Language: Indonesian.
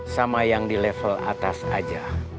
sama yang di level atas aja